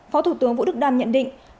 phó thủ tướng vũ đức đam nhận định